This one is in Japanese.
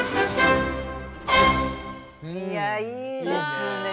いやいいですね。